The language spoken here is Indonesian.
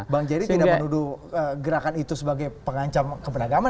bang jerry tidak menuduh gerakan itu sebagai pengancam keberagaman